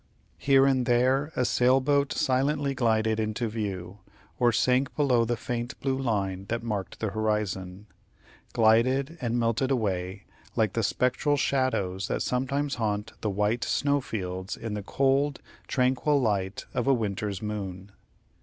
Here and there a sail boat silently glided into view, or sank below the faint blue line that marked the horizon glided and melted away like the spectral shadows that sometimes haunt the white snow fields in the cold, tranquil light of a winter's moon.